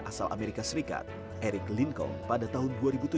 asal amerika serikat eric linkong pada tahun dua ribu tujuh